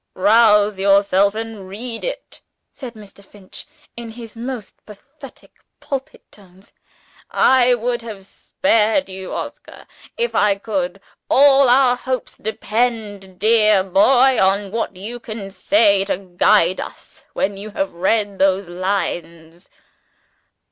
"Rouse yourself, and read it," said Mr. Finch in his most pathetic pulpit tones. "I would have spared you, Oscar, if I could. All our hopes depend, dear boy, on what you can say to guide us when you have read those lines."